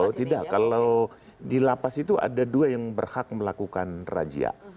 oh tidak kalau di lapas itu ada dua yang berhak melakukan rajia